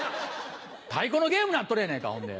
太鼓のゲームなっとるやないかほんで。